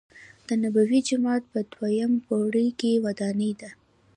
دنبوی جومات په دویم پوړ کې ودان دی.